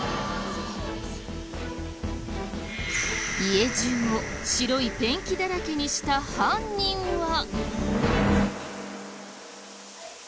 家中を白いペンキだらけにした犯人は。